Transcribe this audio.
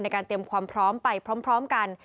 เตรียมความพร้อมไปพร้อมกัน